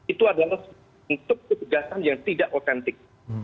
itu adalah bentuk ketegasan yang tidak otentik